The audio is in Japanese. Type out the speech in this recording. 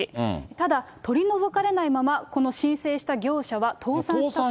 ただ、取り除かれないまま、この申請した業者は倒産したと。